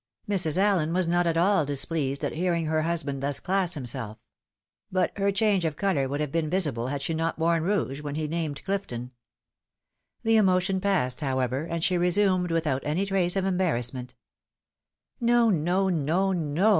Mrs. Allen was not at all displeased at hearing her husband thus class himself ; but her change of colour would have been visible had she not worn rouge, when he named Clifton. The emotion passed, however, and she resumed without any trace of embarrassment. " No, no, no, no.